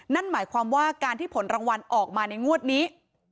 นั่นหมายความว่าการที่ผลรางวัลออกมาในงวดนี้